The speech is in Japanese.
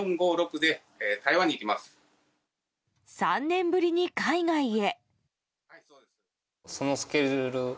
３年ぶりに海外へ。